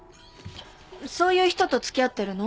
そういう人と付き合ってるの？